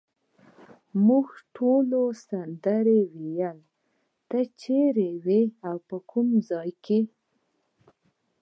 موږ ټولو سندرې وویلې، ته چیرې وې، په کوم ځای کې؟